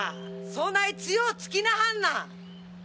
そない強ぅ突きなはんな！